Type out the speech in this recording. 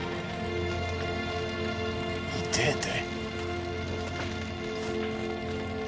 痛えて。